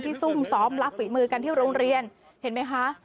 ซุ่มซ้อมรับฝีมือกันที่โรงเรียนเห็นไหมคะ